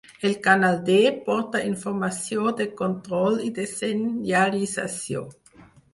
El canal D porta informació de control i de senyalització.